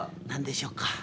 何でしょうか？